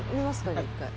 じゃあ一回。